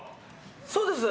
そうです！